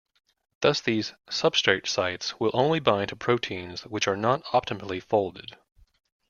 Thus, these "substrate sites" will only bind to proteins which are not optimally folded.